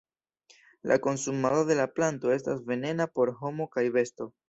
La konsumado de la planto estas venena por homo kaj besto.